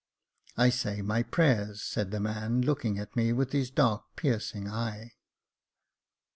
•* I say my prayers," said the man, looking at me with his dark, piercing eye.